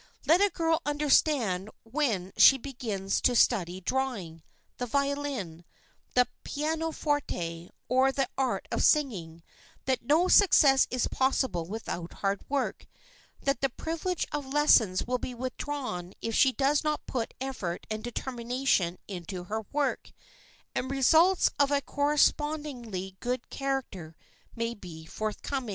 Let a girl understand when she begins to study drawing, the violin, the pianoforte or the art of singing that no success is possible without hard work, that the privilege of lessons will be withdrawn if she does not put effort and determination into her work, and results of a correspondingly good character may be forthcoming.